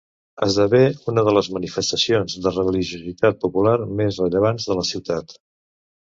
Esdevé una de les manifestacions de religiositat popular més rellevants de la ciutat.